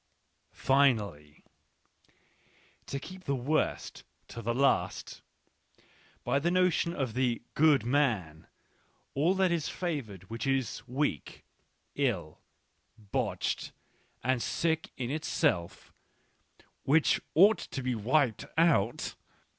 Finally — to keep the worst to the last — by the notion of the good man, / all that is favoured which is weak, ill, botched, and 1 sick in itself, which ought to be wiped out.